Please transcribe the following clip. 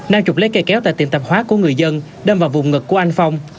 nam chục lấy cây kéo tại tiệm tạp hóa của người dân đâm vào vùng ngực của anh phong